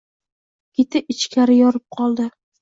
Keti ich-kari kirib yo‘qoldi.